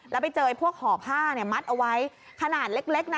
แล้วไปเจอพวกห่อผ้าเนี่ยมัดเอาไว้ขนาดเล็กนะ